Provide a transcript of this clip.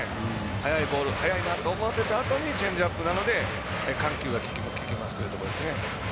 速いボールを速いと思わせたあとにチェンジアップなので緩急が効きますということですね。